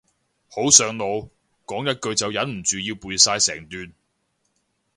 好上腦，講一句就忍唔住要背晒成段